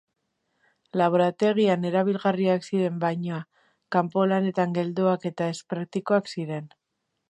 Laborategian erabilgarriak ziren, baina kanpo-lanetan geldoak eta ez-praktikoak ziren.